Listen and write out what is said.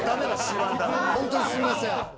ホントにすいません。